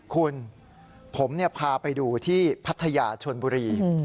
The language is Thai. คุณผมพาไปดูที่พัทยาชนบุรี